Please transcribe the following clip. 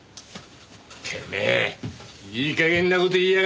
てめえいい加減な事言いやがって！